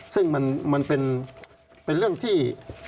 ซึ่งมันเป็นเรื่องที่